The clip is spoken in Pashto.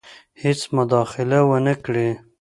هیڅ مداخله ونه کړي.